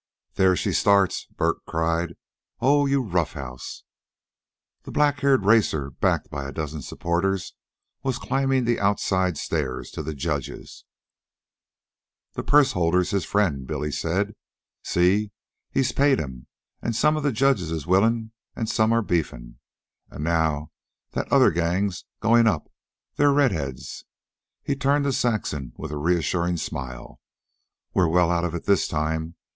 "There she starts!" Bert cried. "Oh, you rough house!" The black haired racer, backed by a dozen supporters, was climbing the outside stairs to the judges. "The purse holder's his friend," Billy said. "See, he's paid him, an' some of the judges is willin' an' some are beefin'. An' now that other gang's going up they're Redhead's." He turned to Saxon with a reassuring smile. "We're well out of it this time.